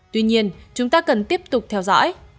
tuy nhiên chúng ta cần tiếp tục theo dõi